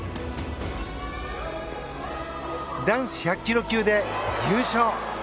男子１００ｋｇ級で優勝。